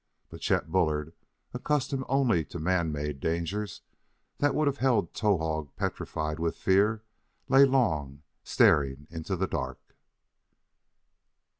But Chet Bullard, accustomed only to man made dangers that would have held Towahg petrified with fear, lay long, staring into the dark.